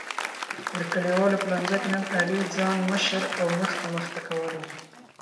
د کلیوالو په لانجه کې نن علی ځان مشر او مخته مخته کولو.